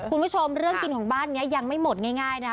คุณผู้ชมเรื่องกินของบ้านนี้ยังไม่หมดง่ายนะ